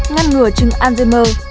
ngăn ngừa trứng alzheimer